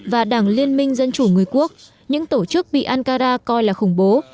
và đảng liên minh dân chủ người quốc những tổ chức bị ankara coi là khủng bố